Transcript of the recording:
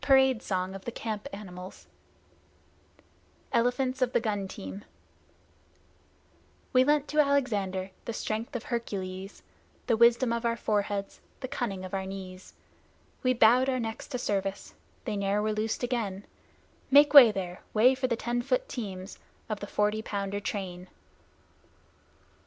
Parade Song of the Camp Animals ELEPHANTS OF THE GUN TEAMS We lent to Alexander the strength of Hercules, The wisdom of our foreheads, the cunning of our knees; We bowed our necks to service: they ne'er were loosed again, Make way there way for the ten foot teams Of the Forty Pounder train!